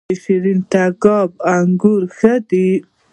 د شیرین تګاب انګور ښه دي